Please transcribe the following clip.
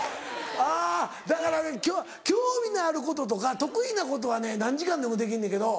あぁだから興味のあることとか得意なことはね何時間でもできんねんけど。